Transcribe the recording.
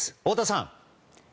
太田さん。